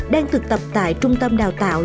đang thực tập tại trung tâm đào tạo